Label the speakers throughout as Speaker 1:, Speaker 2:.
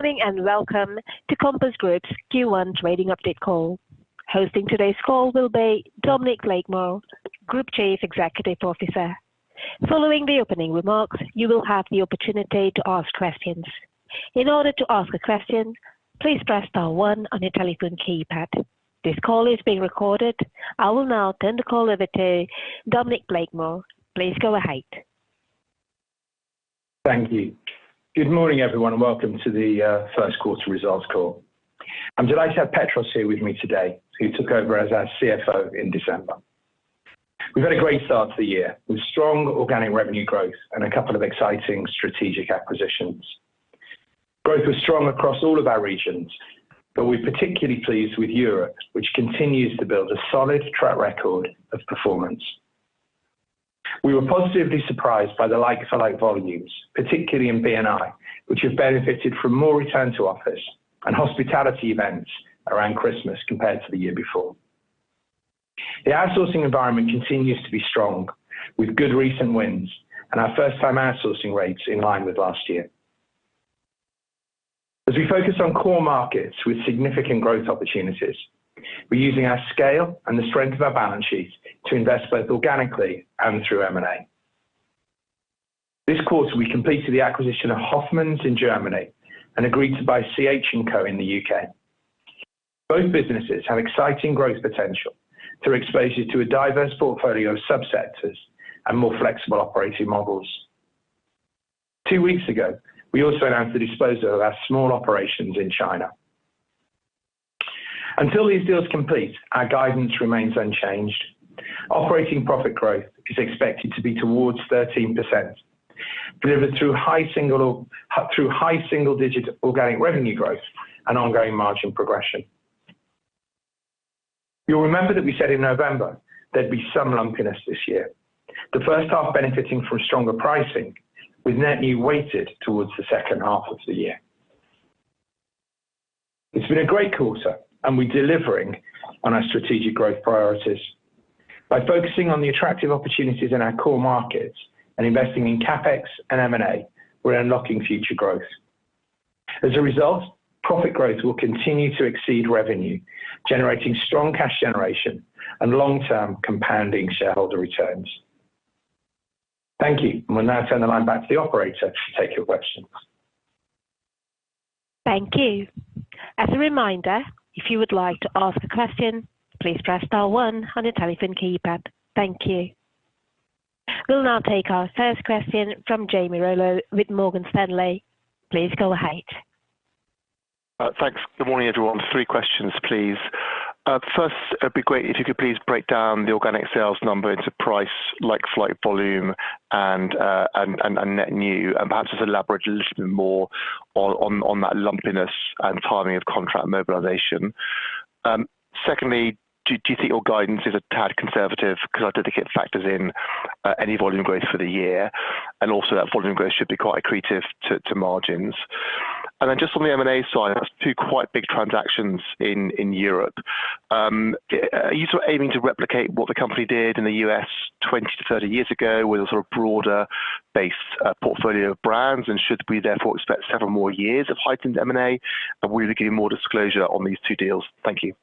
Speaker 1: Good morning, and welcome to Compass Group's Q1 trading update call. Hosting today's call will be Dominic Blakemore, Group Chief Executive Officer. Following the opening remarks, you will have the opportunity to ask questions. In order to ask a question, please press star one on your telephone keypad. This call is being recorded. I will now turn the call over to Dominic Blakemore. Please go ahead.
Speaker 2: Thank you. Good morning, everyone, and welcome to the first quarter results call. I'm delighted to have Petros here with me today, who took over as our CFO in December. We've had a great start to the year, with strong organic revenue growth and a couple of exciting strategic acquisitions. Growth was strong across all of our regions, but we're particularly pleased with Europe, which continues to build a solid track record of performance. We were positively surprised by the like-for-like volumes, particularly in B&I, which have benefited from more return to office and hospitality events around Christmas compared to the year before. The outsourcing environment continues to be strong, with good recent wins and our first-time outsourcing rates in line with last year. As we focus on core markets with significant growth opportunities, we're using our scale and the strength of our balance sheet to invest both organically and through M&A. This quarter, we completed the acquisition of HOFMANNS in Germany and agreed to buy CH&CO in the UK. Both businesses have exciting growth potential through exposure to a diverse portfolio of subsectors and more flexible operating models. Two weeks ago, we also announced the disposal of our small operations in China. Until these deals complete, our guidance remains unchanged. Operating profit growth is expected to be towards 13%, delivered through high single-digit organic revenue growth and ongoing margin progression. You'll remember that we said in November there'd be some lumpiness this year. The first half benefiting from stronger pricing, with net new weighted towards the second half of the year. It's been a great quarter, and we're delivering on our strategic growth priorities. By focusing on the attractive opportunities in our core markets and investing in CapEx and M&A, we're unlocking future growth. As a result, profit growth will continue to exceed revenue, generating strong cash generation and long-term compounding shareholder returns. Thank you. We'll now turn the line back to the operator to take your questions.
Speaker 1: Thank you. As a reminder, if you would like to ask a question, please press star one on your telephone keypad. Thank you. We'll now take our first question from Jamie Rollo with Morgan Stanley. Please go ahead.
Speaker 3: Thanks. Good morning, everyone. Three questions, please. First, it'd be great if you could please break down the organic sales number into price, like-for-like-volume and net new, and perhaps just elaborate a little bit more on that lumpiness and timing of contract mobilization. Secondly, do you think your guidance is a tad conservative? Because I don't think it factors in any volume growth for the year, and also that volume growth should be quite accretive to margins. Then just on the M&A side, that's two quite big transactions in Europe. Are you sort of aiming to replicate what the company did in the U.S. 20-30 years ago, with a sort of broader base portfolio of brands? And should we therefore expect several more years of heightened M&A? Will you be giving more disclosure on these two deals? Thank you.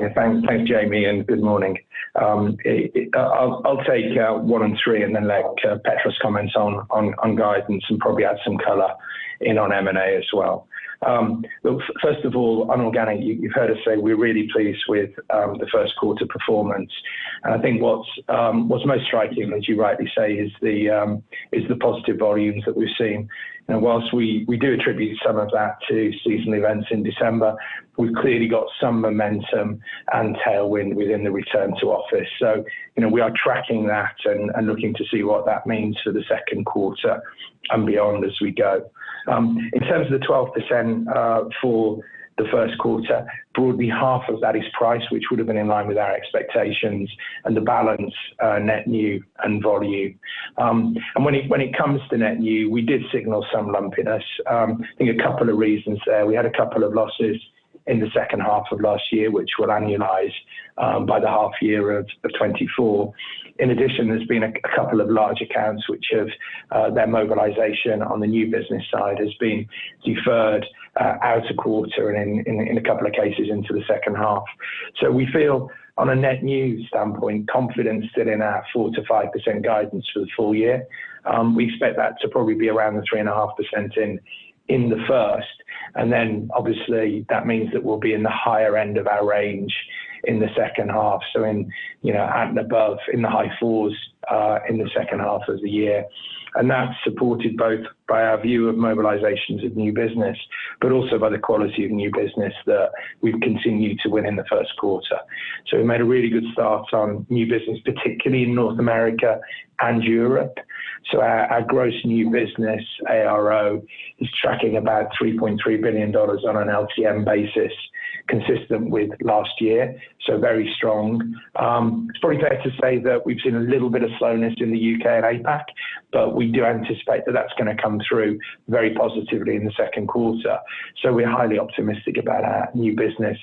Speaker 2: Yeah, thanks, Jamie, and good morning. I'll take one and three and then let Petros comment on guidance and probably add some color in on M&A as well. Look, first of all, on organic, you've heard us say we're really pleased with the first quarter performance. And I think what's most striking, as you rightly say, is the positive volumes that we're seeing. Now, while we do attribute some of that to seasonal events in December, we've clearly got some momentum and tailwind within the return to office. So, you know, we are tracking that and looking to see what that means for the second quarter and beyond as we go. In terms of the 12%, for the first quarter, broadly half of that is price, which would have been in line with our expectations and the balance, net new and volume. And when it comes to net new, we did signal some lumpiness. I think a couple of reasons there. We had a couple of losses in the second half of last year, which will annualize by the half year of 2024. In addition, there's been a couple of large accounts which have their mobilization on the new business side has been deferred out a quarter and in a couple of cases into the second half. So we feel, on a net new standpoint, confidence still in our 4%-5% guidance for the full year. We expect that to probably be around 3.5% in the first, and then obviously that means that we'll be in the higher end of our range in the second half. So in, you know, at and above, in the high 4s, in the second half of the year. And that's supported both by our view of mobilizations of new business, but also by the quality of new business that we've continued to win in the first quarter. So we made a really good start on new business, particularly in North America and Europe. So our gross new business, ARO, is tracking about $3.3 billion on an LTM basis, consistent with last year, so very strong. It's probably fair to say that we've seen a little bit of slowness in the U.K. and APAC, but we do anticipate that that's gonna come through very positively in the second quarter. So we're highly optimistic about our new business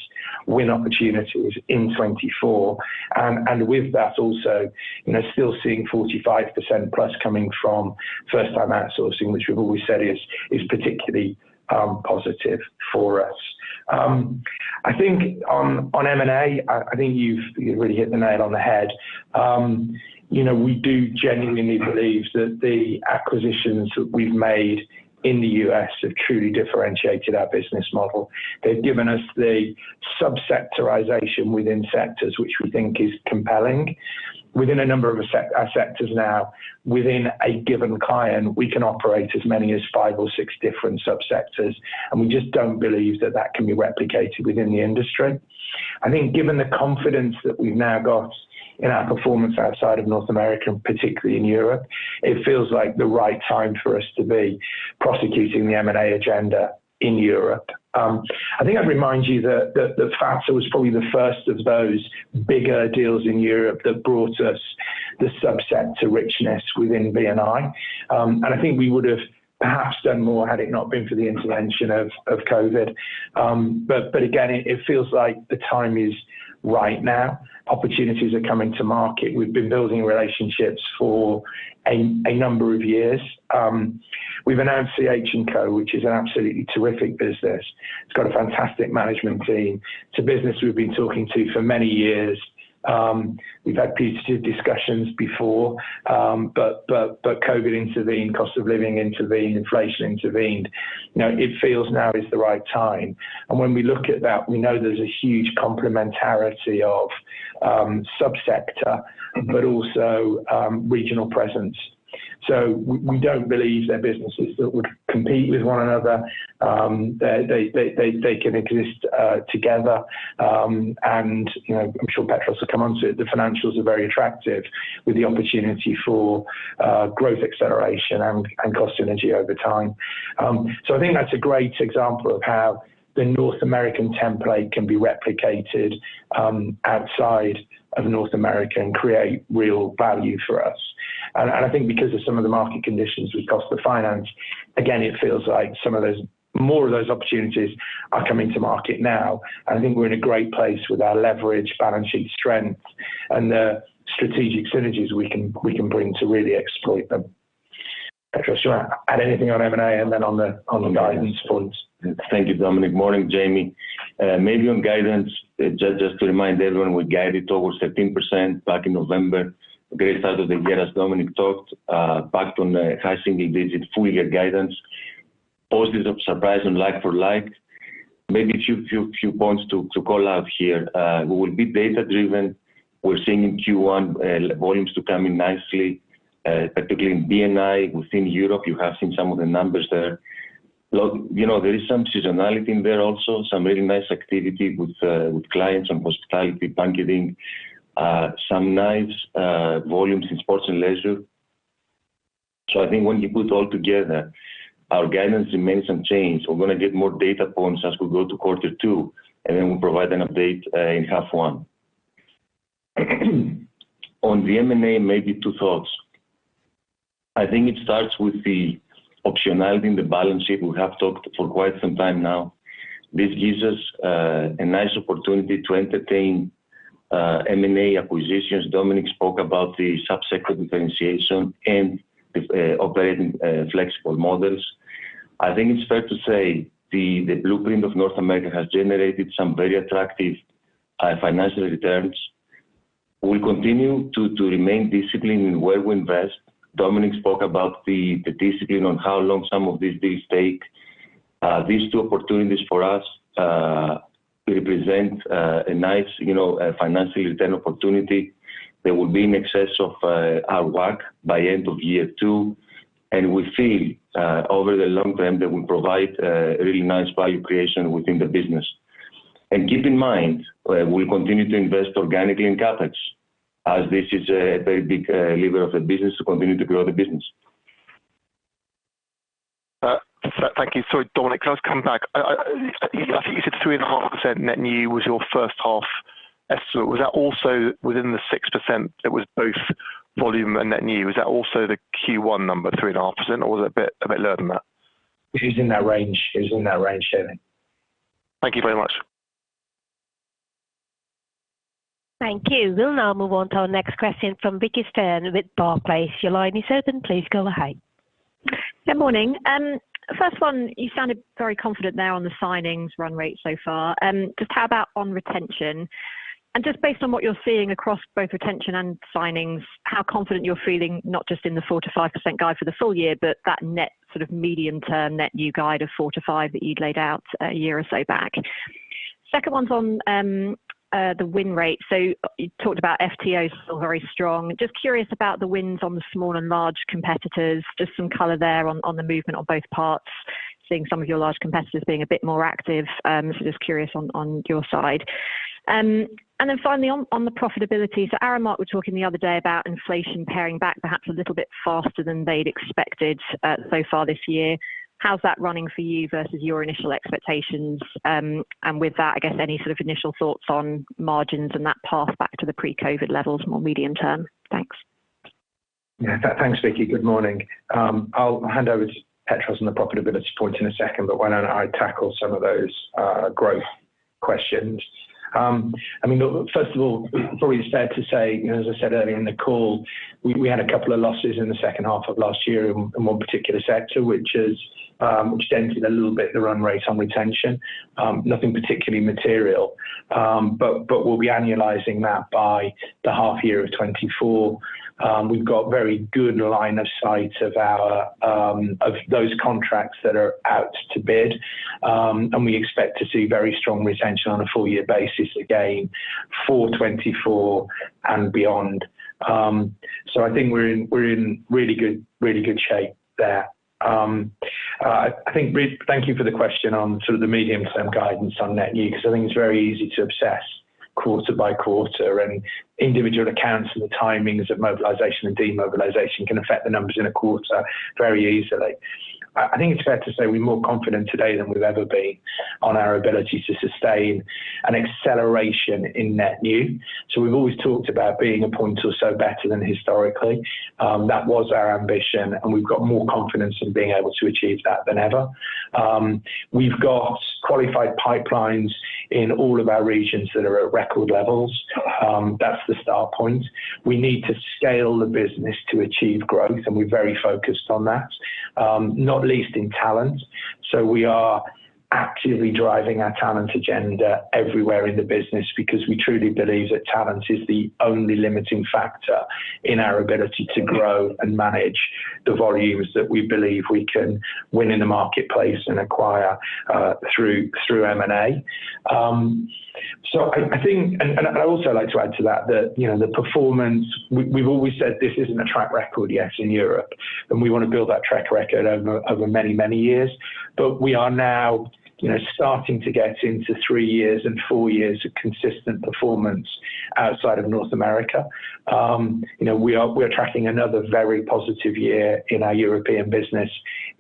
Speaker 2: win opportunities in 2024. And with that also, you know, still seeing 45% plus coming from first time outsourcing, which we've always said is particularly positive for us. I think on M&A, I think you've really hit the nail on the head. You know, we do genuinely believe that the acquisitions that we've made in the U.S. have truly differentiated our business model. They've given us the subsectorization within sectors, which we think is compelling. Within a number of sectors now, within a given client, we can operate as many as five or six different subsectors, and we just don't believe that that can be replicated within the industry. I think given the confidence that we've now got in our performance outside of North America, particularly in Europe, it feels like the right time for us to be prosecuting the M&A agenda in Europe. I think I'd remind you that Fazer was probably the first of those bigger deals in Europe that brought us the subsector richness within B&I. And I think we would have perhaps done more had it not been for the intervention of, of COVID. But again, it feels like the time is right now. Opportunities are coming to market. We've been building relationships for a number of years. We've announced the CH&CO, which is an absolutely terrific business. It's got a fantastic management team. It's a business we've been talking to for many years. We've had positive discussions before but COVID intervened, cost of living intervened, inflation intervened. You know, it feels now is the right time. And when we look at that, we know there's a huge complementarity of subsector, but also regional presence. So we don't believe they're businesses that would compete with one another. They can exist together. And, you know, I'm sure Petros will come on to it. The financials are very attractive, with the opportunity for growth acceleration and cost synergy over time. So I think that's a great example of how the North American template can be replicated outside of North America and create real value for us. And, and I think because of some of the market conditions with cost of finance, again, it feels like some of those, more of those opportunities are coming to market now. And I think we're in a great place with our leverage, balance sheet strength, and the strategic synergies we can, we can bring to really exploit them. Petros, do you want to add anything on M&A and then on the, on the guidance points?
Speaker 4: Thank you, Dominic. Morning, Jamie. Maybe on guidance, just, just to remind everyone, we guided over 13% back in November. Great start of the year, as Dominic talked, backed on a high single digit full year guidance, positive surprise and like for like. Maybe a few, few, few points to, to call out here. We will be data-driven. We're seeing in Q1, volumes to come in nicely, particularly in B&I. Within Europe, you have seen some of the numbers there. You know, there is some seasonality in there also, some really nice activity with, with clients and hospitality banqueting, some nice, volumes in sports and leisure. So I think when you put all together, our guidance remains unchanged. We're going to get more data points as we go to quarter two, and then we'll provide an update in half one. On the M&A, maybe two thoughts. I think it starts with the optionality in the balance sheet. We have talked for quite some time now. This gives us a nice opportunity to entertain M&A acquisitions. Dominic spoke about the subsector differentiation and operating flexible models. I think it's fair to say the blueprint of North America has generated some very attractive financial returns. We continue to remain disciplined in where we invest. Dominic spoke about the discipline on how long some of these deals take. These two opportunities for us represent a nice, you know, financial return opportunity. They will be in excess of our WACC by end of year two, and we feel over the long term they will provide a really nice value creation within the business. Keep in mind we continue to invest organically in CapEx, as this is a very big lever of the business to continue to grow the business.
Speaker 3: Thank you. Sorry, Dominic, can I just come back? I think you said 3.5% net new was your first half estimate. Was that also within the 6%, it was both volume and net new? Was that also the Q1 number, 3.5%, or was it a bit lower than that?
Speaker 2: It was in that range. It was in that range, Jamie.
Speaker 3: Thank you very much.
Speaker 1: Thank you. We'll now move on to our next question from Vicki Stern with Barclays. Your line is open. Please go ahead.
Speaker 5: Good morning. First one, you sounded very confident now on the signings run rate so far. Just how about on retention? And just based on what you're seeing across both retention and signings, how confident you're feeling, not just in the 4%-5% guide for the full year, but that net sort of medium-term net new guide of 4-5 that you'd laid out a year or so back. Second one's on the win rate. So you talked about FTO still very strong. Just curious about the wins on the small and large competitors. Just some color there on the movement on both parts, seeing some of your large competitors being a bit more active. So just curious on your side. And then finally on the profitability. So Aramark were talking the other day about inflation paring back perhaps a little bit faster than they'd expected, so far this year. How's that running for you versus your initial expectations? And with that, I guess any sort of initial thoughts on margins and that path back to the pre-COVID levels, more medium term? Thanks.
Speaker 2: Yeah, thanks, Vick. Good morning. I'll hand over to Petros on the profitability point in a second, but why don't I tackle some of those growth questions? I mean, look, first of all, it's always fair to say, you know, as I said earlier in the call, we had a couple of losses in the second half of last year in one particular sector, which has extended a little bit the run rate on retention. Nothing particularly material. But we'll be annualizing that by the half year of 2024. We've got very good line of sight of those contracts that are out to bid. And we expect to see very strong retention on a full year basis, again, for 2024 and beyond. So I think we're in, we're in really good, really good shape there. I think thank you for the question on sort of the medium term guidance on net new, because I think it's very easy to obsess quarter by quarter, and individual accounts, and the timings of mobilization and demobilization can affect the numbers in a quarter very easily. I think it's fair to say we're more confident today than we've ever been on our ability to sustain an acceleration in net new. So we've always talked about being a point or so better than historically. That was our ambition, and we've got more confidence in being able to achieve that than ever. We've got qualified pipelines in all of our regions that are at record levels. That's the start point. We need to scale the business to achieve growth, and we're very focused on that, not least in talent. So we are actively driving our talent agenda everywhere in the business because we truly believe that talent is the only limiting factor in our ability to grow and manage the volumes that we believe we can win in the marketplace and acquire, through, through M&A. So I think and I'd also like to add to that, that, you know, the performance. We've always said this isn't a track record yet in Europe, and we want to build that track record over, over many, many years. But we are now, you know, starting to get into three years and four years of consistent performance outside of North America. You know, we're tracking another very positive year in our European business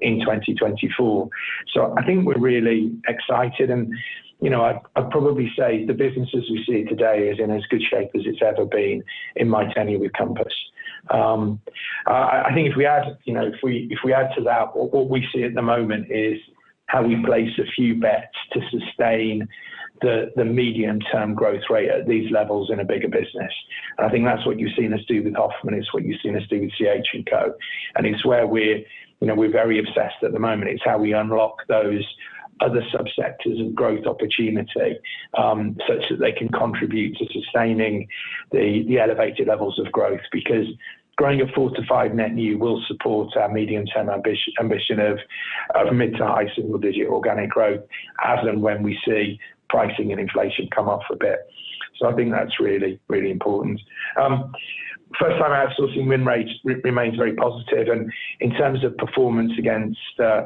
Speaker 2: in 2024. So I think we're really excited. And, you know, I'd probably say the business as we see it today is in as good shape as it's ever been in my tenure with Compass. I think if we add, you know, if we add to that, what we see at the moment is how we place a few bets to sustain the medium-term growth rate at these levels in a bigger business. And I think that's what you've seen us do with HOFMANNs, it's what you've seen us do with CH&CO. And it's where we're, you know, we're very obsessed at the moment. It's how we unlock those other subsectors of growth opportunity, such that they can contribute to sustaining the elevated levels of growth. Because growing a 4-5 net new will support our medium-term ambition of mid- to high-single-digit organic growth, as and when we see pricing and inflation come up a bit. So I think that's really, really important. First-time outsourcing win rates remains very positive. And in terms of performance against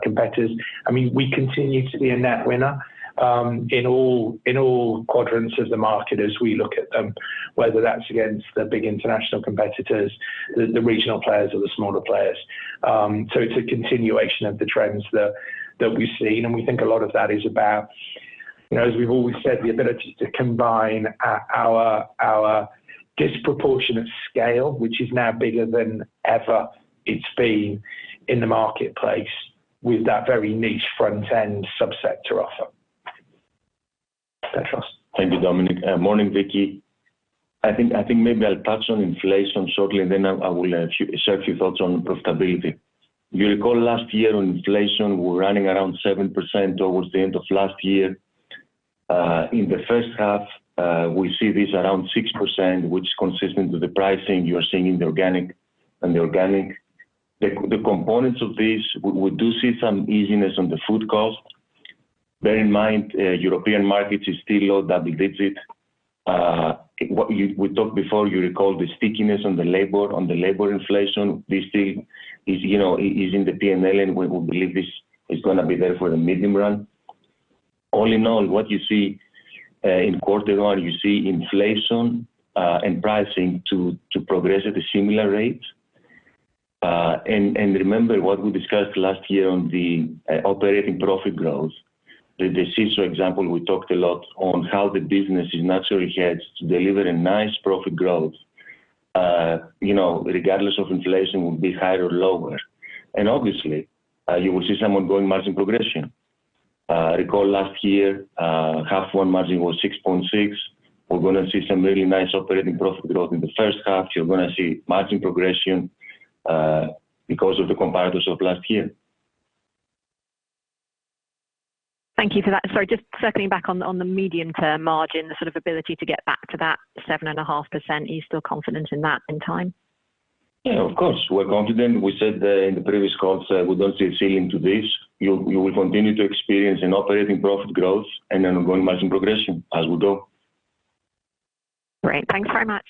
Speaker 2: competitors, I mean, we continue to be a net winner in all quadrants of the market as we look at them, whether that's against the big international competitors, the regional players or the smaller players. So, it's a continuation of the trends that we've seen, and we think a lot of that is about, you know, as we've always said, the ability to combine our disproportionate scale, which is now bigger than ever it's been in the marketplace, with that very niche front-end subsector offer. Petros?
Speaker 4: Thank you, Dominic. Morning, Vicki. I think maybe I'll touch on inflation shortly, and then I will share a few thoughts on profitability. You recall last year on inflation, we were running around 7% towards the end of last year. In the first half, we see this around 6%, which is consistent with the pricing you're seeing in the organic. The components of this, we do see some easiness on the food cost. Bear in mind, European markets is still low double digits. What we talked before, you recall the stickiness on the labor inflation. This thing is, you know, is in the P&L, and we will believe this is gonna be there for the medium run. All in all, what you see in quarter one, you see inflation and pricing to progress at a similar rate. And remember what we discussed last year on the operating profit growth. This is example, we talked a lot on how the business is naturally hedged to deliver a nice profit growth, you know, regardless of inflation will be higher or lower. And obviously, you will see some ongoing margin progression. Recall last year, half one margin was 6.6%. We're gonna see some really nice operating profit growth in the first half. You're gonna see margin progression because of the comparatives of last year.
Speaker 5: Thank you for that. Sorry, just circling back on the medium-term margin, the sort of ability to get back to that 7.5%. Are you still confident in that in time?
Speaker 4: Yeah, of course, we're confident. We said in the previous calls that we don't see a ceiling to this. You will continue to experience an operating profit growth and an ongoing margin progression as we go.
Speaker 5: Great. Thanks very much.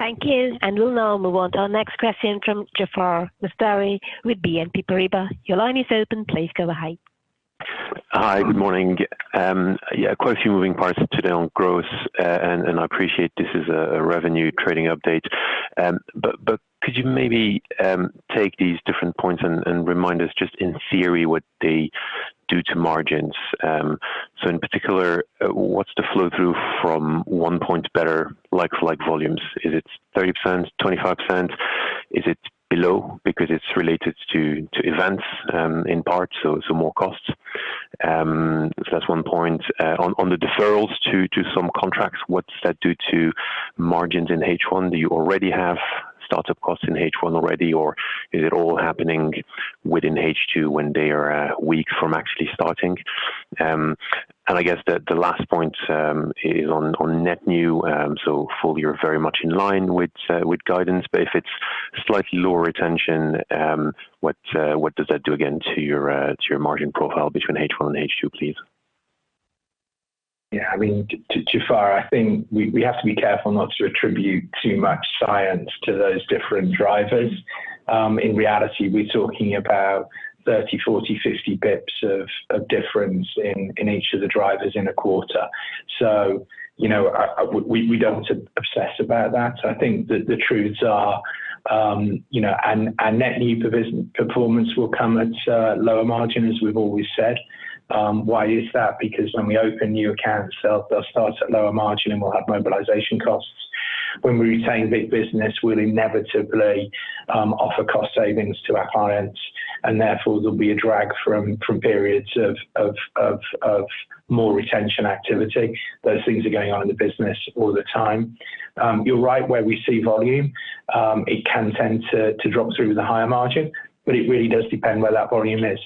Speaker 1: Thank you, and we'll now move on to our next question from Jaafar Mestari with BNP Paribas. Your line is open. Please go ahead.
Speaker 6: Hi, good morning. Yeah, quite a few moving parts today on growth, and I appreciate this is a revenue trading update. But could you maybe take these different points and remind us just in theory what the due to margins. So in particular, what's the flow through from 1 point better like for like volumes? Is it $0.30, $0.25? Is it below because it's related to events in part, so more costs? So that's one point. On the deferrals to some contracts, what's that do to margins in H1? Do you already have startup costs in H1 already, or is it all happening within H2 when they are weak from actually starting? And I guess the last point is on net new. So full year very much in line with guidance, but if it's slightly lower retention, what does that do again to your margin profile between H1 and H2, please?
Speaker 2: Yeah, I mean, too far I think we have to be careful not to attribute too much science to those different drivers. In reality, we're talking about 30, 40, 50 basis points of difference in each of the drivers in a quarter. So, you know, we don't want to obsess about that. I think that the truths are, you know, net new provision performance will come at lower margin, as we've always said. Why is that? Because when we open new accounts, they'll start at lower margin, and we'll have mobilization costs. When we retain big business, we'll inevitably offer cost savings to our clients, and therefore, there'll be a drag from periods of more retention activity. Those things are going on in the business all the time. You're right, where we see volume, it can tend to drop through the higher margin, but it really does depend where that volume is.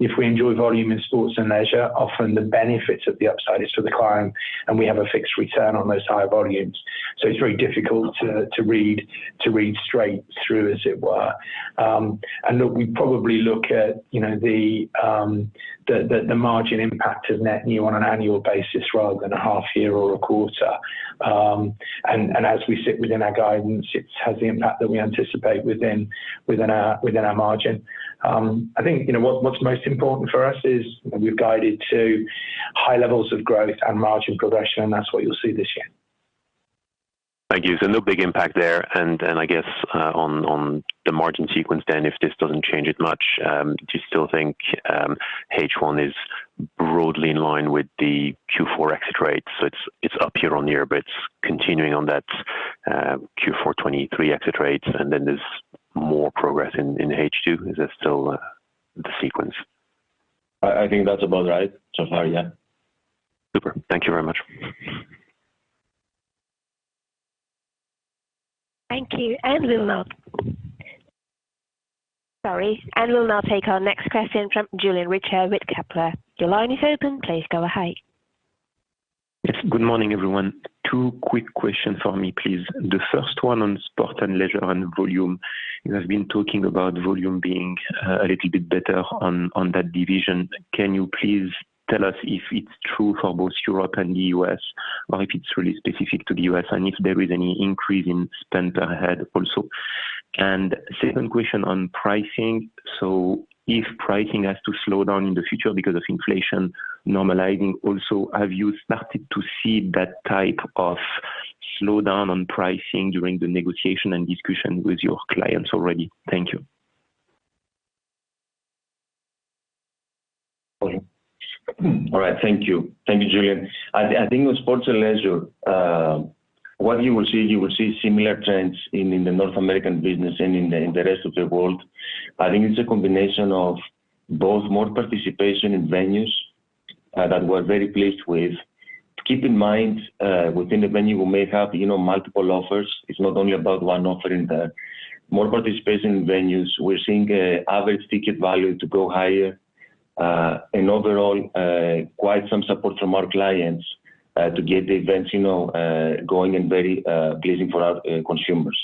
Speaker 2: If we enjoy volume in sports and leisure, often the benefits of the upside is for the client, and we have a fixed return on those higher volumes. So it's very difficult to read straight through, as it were. And look, we probably look at, you know, the margin impact of net new on an annual basis rather than a half year or a quarter. And, as we sit within our guidance, it has the impact that we anticipate within our margin. I think, you know, what's most important for us is we've guided to high levels of growth and margin progression, and that's what you'll see this year.
Speaker 6: Thank you. So no big impact there, and then I guess on the margin sequence then, if this doesn't change it much, do you still think H1 is broadly in line with the Q4 exit rates? So it's up year-on-year, but it's continuing on that Q4 2023 exit rates, and then there's more progress in H2. Is that still the sequence?
Speaker 4: I think that's about right so far, yeah.
Speaker 6: Super. Thank you very much.
Speaker 1: Thank you. We'll now take our next question from Julien Richer with Kepler. Your line is open. Please go ahead.
Speaker 7: Yes, good morning, everyone. Two quick questions for me, please. The first one on sport and leisure and volume. You have been talking about volume being a little bit better on, on that division. Can you please tell us if it's true for both Europe and the U.S., or if it's really specific to the U.S., and if there is any increase in spend per head also? Second question on pricing. So if pricing has to slow down in the future because of inflation normalizing, also, have you started to see that type of slowdown on pricing during the negotiation and discussion with your clients already? Thank you.
Speaker 4: Okay. All right, thank you. Thank you, Julien. I think with sports and leisure, what you will see, you will see similar trends in the North American business and in the rest of the world. I think it's a combination of both more participation in venues that we're very pleased with. Keep in mind, within the venue, we may have, you know, multiple offers. It's not only about one offer in there. More participation in venues, we're seeing an average ticket value to go higher, and overall, quite some support from our clients to get the events, you know, going and very pleasing for our consumers.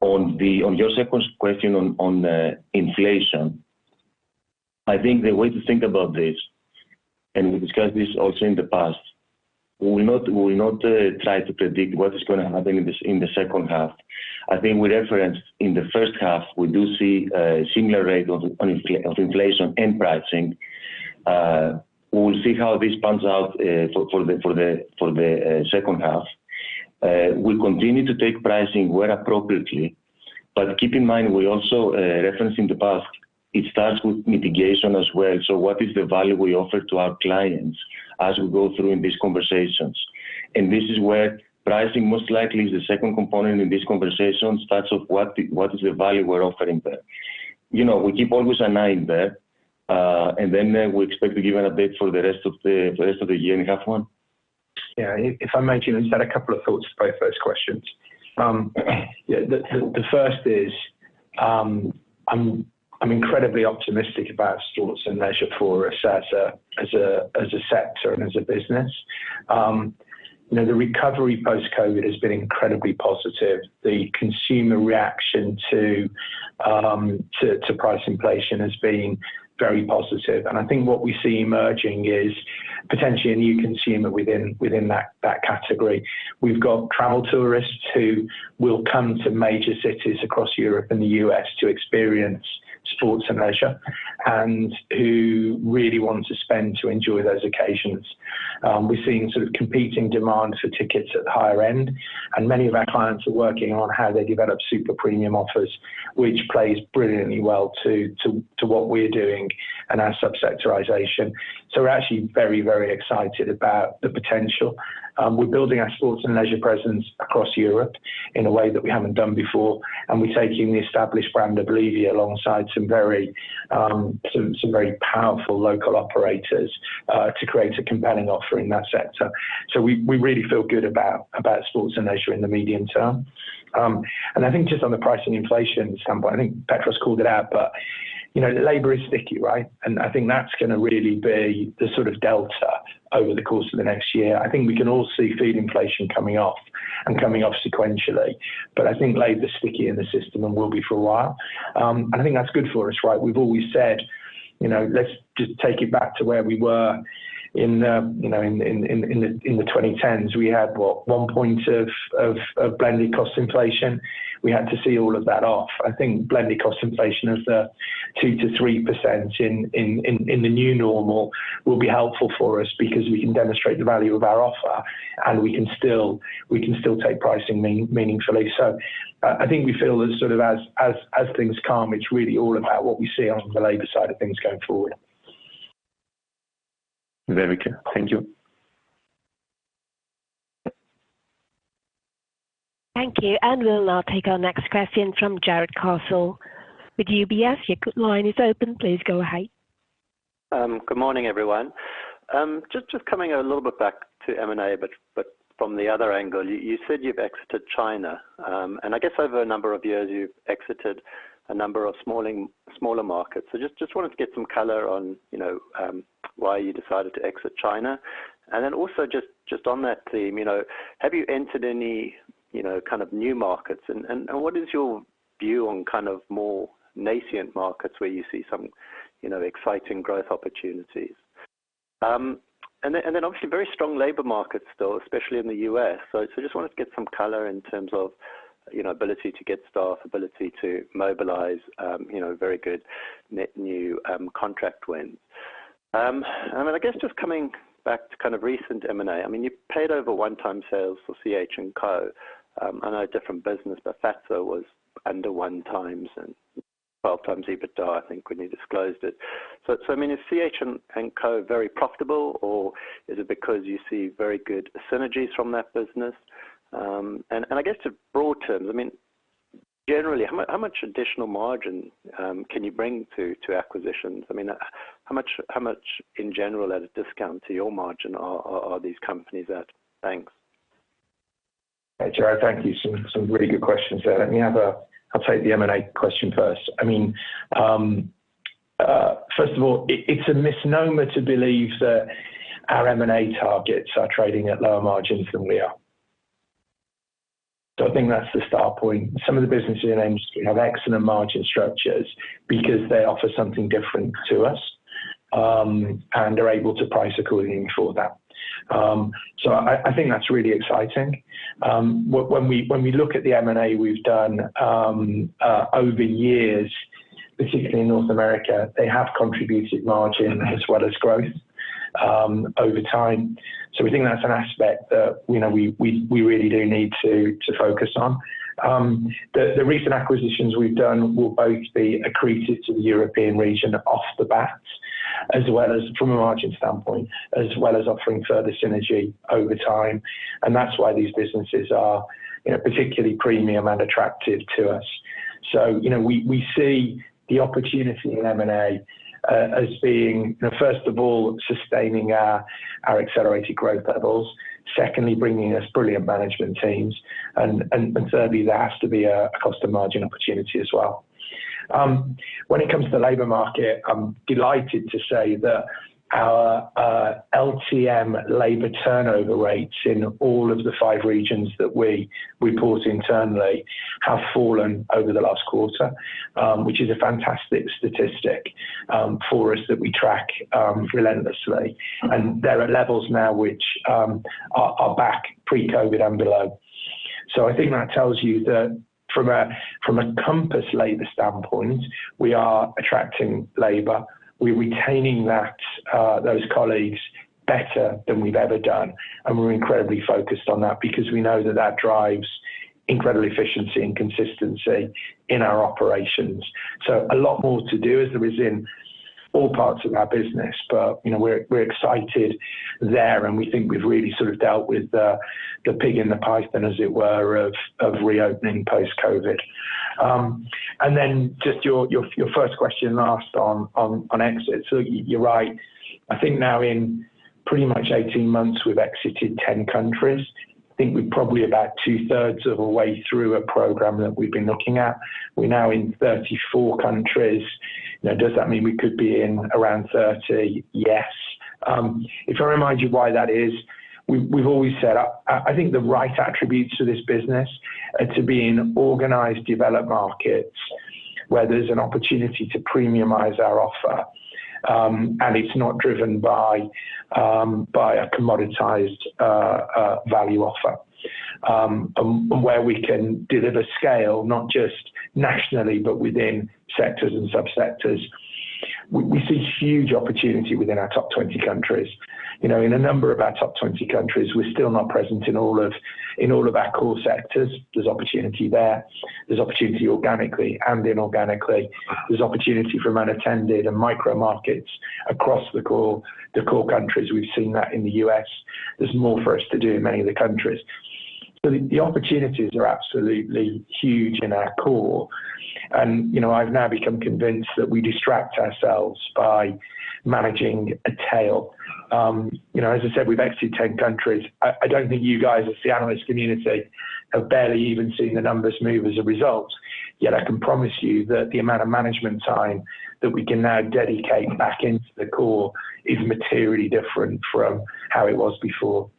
Speaker 4: On your second question on inflation, I think the way to think about this, and we discussed this also in the past, we will not try to predict what is gonna happen in the second half. I think we referenced in the first half, we do see a similar rate of inflation and pricing. We'll see how this pans out for the second half. We continue to take pricing where appropriately, but keep in mind, we also referenced in the past, it starts with mitigation as well. So what is the value we offer to our clients as we go through in these conversations? This is where pricing most likely is the second component in this conversation, start of what is the value we're offering there. You know, we keep always an eye in there, and then we expect to give an update for the rest of the year in half one.
Speaker 2: Yeah, if I might, Julien, just add a couple of thoughts to both those questions. Yeah, the first is, I'm incredibly optimistic about sports and leisure for us as a sector and as a business. You know, the recovery post-COVID has been incredibly positive. The consumer reaction to price inflation has been very positive, and I think what we see emerging is potentially a new consumer within that category. We've got travel tourists who will come to major cities across Europe and the U.S. to experience sports and leisure, and who really want to spend to enjoy those occasions. We're seeing sort of competing demand for tickets at the higher end, and many of our clients are working on how they develop super premium offers, which plays brilliantly well to what we're doing and our subsectorization. So we're actually very, very excited about the potential. We're building our sports and leisure presence across Europe in a way that we haven't done before, and we're taking the established brand of Levy alongside some very powerful local operators to create a compelling offer in that sector. So we really feel good about sports and leisure in the medium term. And I think just on the pricing inflation standpoint, I think Petros called it out, but, you know, the labor is sticky, right? I think that's gonna really be the sort of delta over the course of the next year. I think we can all see feed inflation coming off and coming off sequentially, but I think labor is sticky in the system and will be for a while. And I think that's good for us, right? We've always said, you know, let's just take it back to where we were in the, you know, in the 2010s. We had, what? 1 point of blended cost inflation. We had to see all of that off. I think blended cost inflation is the 2%-3% in the new normal will be helpful for us because we can demonstrate the value of our offer, and we can still, we can still take pricing meaningfully. So, I think we feel as sort of things calm, it's really all about what we see on the labor side of things going forward.
Speaker 8: Very clear. Thank you.
Speaker 1: Thank you, and we'll now take our next question from Jarrod Castle. With UBS, your line is open. Please go ahead.
Speaker 9: Good morning, everyone. Just coming a little bit back to M&A, but from the other angle, you said you've exited China. And I guess over a number of years, you've exited a number of smaller markets. So just wanted to get some color on, you know, why you decided to exit China. And then also just on that theme, you know, have you entered any, you know, kind of new markets? And what is your view on kind of more nascent markets where you see some, you know, exciting growth opportunities? And then obviously, very strong labor markets still, especially in the U.S. So just wanted to get some color in terms of, you know, ability to get staff, ability to mobilize, you know, very good net new contract wins. And then I guess just coming back to kind of recent M&A, I mean, you paid over 1x sales for CH&CO. I know a different business, but FAFSA was under 1x and 12x EBITDA, I think, when you disclosed it. So, I mean, is CH&CO very profitable, or is it because you see very good synergies from that business? And I guess in broad terms, I mean, generally, how much additional margin can you bring to acquisitions? I mean, how much, in general, at a discount to your margin are these companies at? Thanks.
Speaker 2: Hey, Jarrod, thank you. Some really good questions there. Let me have a—I'll take the M&A question first. I mean, first of all, it's a misnomer to believe that our M&A targets are trading at lower margins than we are. So I think that's the start point. Some of the businesses in the industry have excellent margin structures because they offer something different to us, and are able to price accordingly for that. So I think that's really exciting. When we look at the M&A we've done, over years, particularly in North America, they have contributed margin as well as growth, over time. So we think that's an aspect that, you know, we really do need to focus on. The recent acquisitions we've done will both be accretive to the European region off the bat, as well as from a margin standpoint, as well as offering further synergy over time, and that's why these businesses are, you know, particularly premium and attractive to us. So, you know, we see the opportunity in M&A as being, you know, first of all, sustaining our accelerated growth levels, secondly, bringing us brilliant management teams, and thirdly, there has to be a cost of margin opportunity as well. When it comes to the labor market, I'm delighted to say that our LTM labor turnover rates in all of the five regions that we report internally have fallen over the last quarter, which is a fantastic statistic for us that we track relentlessly. There are levels now which are back pre-COVID and below. So I think that tells you that from a Compass labor standpoint, we are attracting labor. We're retaining that, those colleagues better than we've ever done, and we're incredibly focused on that because we know that that drives incredible efficiency and consistency in our operations. So a lot more to do as there is in all parts of our business, but, you know, we're excited there, and we think we've really sort of dealt with the pig in the python, as it were, of reopening post-COVID. And then just your first question last on exit. So you're right. I think now in pretty much 18 months, we've exited 10 countries. I think we're probably about two-thirds of a way through a program that we've been looking at. We're now in 34 countries. Now, does that mean we could be in around 30? Yes. If I remind you why that is, we've always said I think the right attributes to this business are to be in organized, developed markets, where there's an opportunity to premiumize our offer, and it's not driven by a commoditized value offer, and where we can deliver scale, not just nationally, but within sectors and subsectors. We see huge opportunity within our top 20 countries. You know, in a number of our top 20 countries, we're still not present in all of our core sectors. There's opportunity there. There's opportunity organically and inorganically. There's opportunity for unattended and micro markets across the core, the core countries. We've seen that in the U.S. There's more for us to do in many of the countries. So the, the opportunities are absolutely huge in our core, and, you know, I've now become convinced that we distract ourselves by managing a tail. You know, as I said, we've exited 10 countries. I, I don't think you guys as the analyst community have barely even seen the numbers move as a result, yet I can promise you that the amount of management time that we can now dedicate back into the core is materially different from how it was before.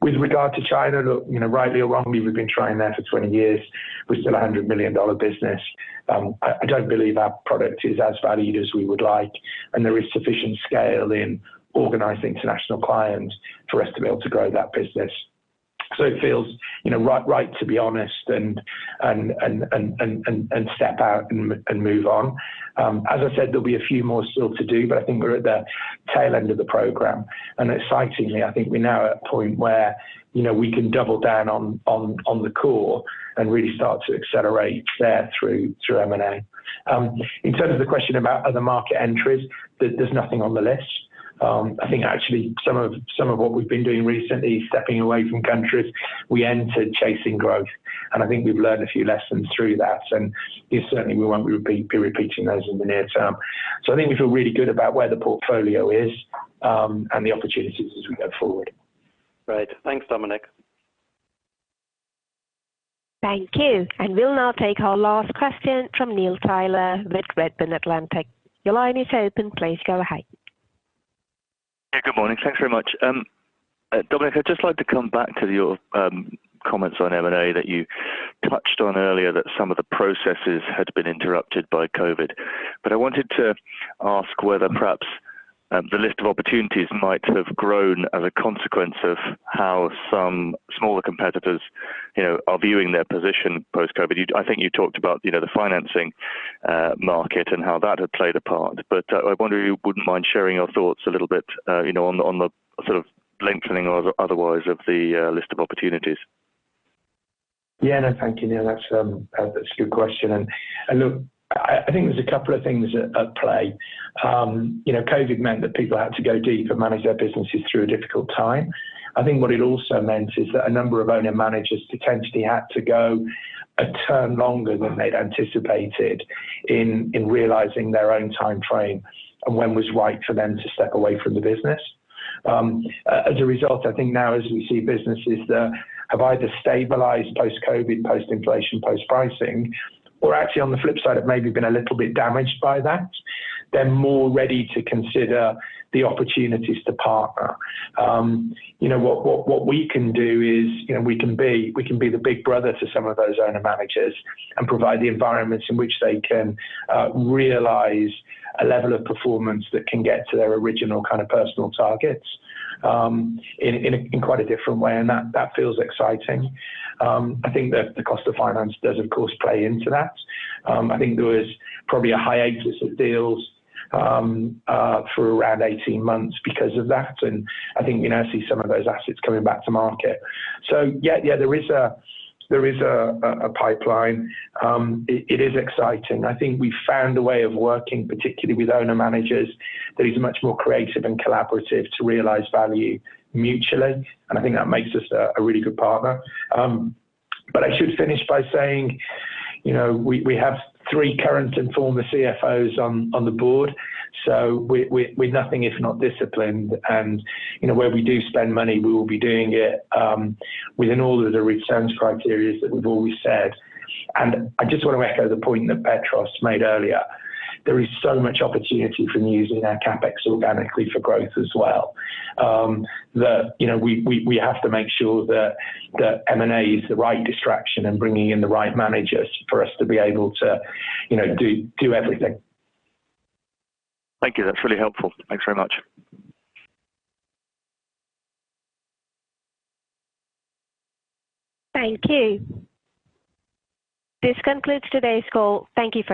Speaker 2: With regard to China, look, you know, rightly or wrongly, we've been trying there for 20 years, with still a $100 million business. I don't believe our product is as valued as we would like, and there is sufficient scale in organizing international clients for us to be able to grow that business. So it feels, you know, right, right, to be honest, and step out and move on. As I said, there'll be a few more still to do, but I think we're at the tail end of the program. And excitingly, I think we're now at a point where, you know, we can double down on the core and really start to accelerate there through M&A. In terms of the question about other market entries, there's nothing on the list. I think actually some of what we've been doing recently, stepping away from countries we entered chasing growth, and I think we've learned a few lessons through that, and certainly we won't be repeating those in the near term. So I think we feel really good about where the portfolio is, and the opportunities as we go forward.
Speaker 9: Great. Thanks, Dominic.
Speaker 1: Thank you. We'll now take our last question from Neil Tyler with Redburn Atlantic. Your line is open. Please go ahead.
Speaker 10: Yeah, good morning. Thanks very much. Dominic, I'd just like to come back to your comments on M&A that you touched on earlier, that some of the processes had been interrupted by COVID. But I wanted to ask whether perhaps the list of opportunities might have grown as a consequence of how some smaller competitors, you know, are viewing their position post-COVID. I think you talked about, you know, the financing market and how that had played a part, but I wonder if you wouldn't mind sharing your thoughts a little bit, you know, on the sort of lengthening or otherwise of the list of opportunities.
Speaker 2: Yeah. No, thank you, Neil. That's a good question. And look, I think there's a couple of things at play. You know, COVID meant that people had to go deep and manage their businesses through a difficult time. I think what it also meant is that a number of owner-managers potentially had to go a term longer than they'd anticipated in realizing their own time frame and when was right for them to step away from the business. As a result, I think now as we see businesses that have either stabilized post-COVID, post-inflation, post-pricing, or actually on the flip side, have maybe been a little bit damaged by that, they're more ready to consider the opportunities to partner. You know, what we can do is, you know, we can be the big brother to some of those owner-managers and provide the environments in which they can realize a level of performance that can get to their original kind of personal targets in quite a different way, and that feels exciting. I think that the cost of finance does, of course, play into that. I think there was probably a hiatus of deals for around 18 months because of that, and I think you now see some of those assets coming back to market. So yeah, there is a pipeline. It is exciting. I think we found a way of working, particularly with owner-managers, that is much more creative and collaborative to realize value mutually, and I think that makes us a really good partner. But I should finish by saying, you know, we have three current and former CFOs on the board, so we're nothing if not disciplined, and, you know, where we do spend money, we will be doing it within all of the returns criteria that we've always said. I just want to echo the point that Petros made earlier. There is so much opportunity from using our CapEx organically for growth as well. That, you know, we have to make sure that M&A is the right distraction and bringing in the right managers for us to be able to, you know, do everything.
Speaker 10: Thank you. That's really helpful. Thanks very much.
Speaker 1: Thank you. This concludes today's call.